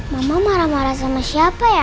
mama marah marah sama siapa ya